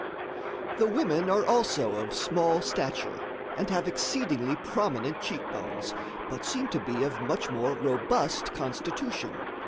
The women are also of small stature, and have exceedingly prominent cheek bones, but seem to be of much more robust constitution.